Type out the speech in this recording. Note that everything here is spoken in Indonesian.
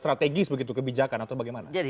strategis begitu kebijakan atau bagaimana